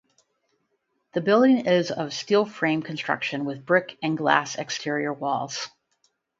The building is of steel frame construction with brick and glass exterior walls.